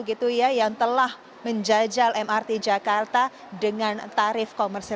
gitu ya yang telah menjajal mrt jakarta dengan tarif komersil